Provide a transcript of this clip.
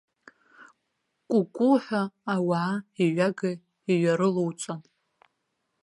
Кәыкәуҳәа ауаа иҩага иҩарылоуҵан!